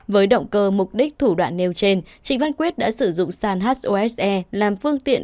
với động cơ mục đích thủ đoạn nêu trên trịnh văn quyết đã sử dụng sàn hose làm phương tiện